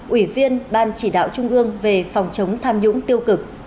ủy viên ban chỉ đạo trung ương về phòng chống tham nhũng tiêu cực